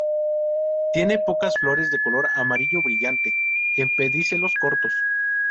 Tiene pocas flores de color amarillo brillante, en pedicelos cortos.